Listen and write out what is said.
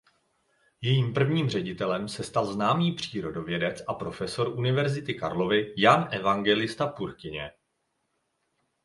Jejím prvním ředitelem se stal známý přírodovědec a profesor Univerzity Karlovy Jan Evangelista Purkyně.